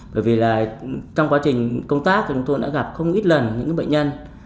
bởi vì là trong quá trình công tác thì chúng tôi đã gặp không ít lần những bệnh nhân